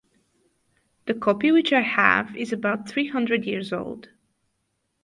The copy which I have is about three hundred years old.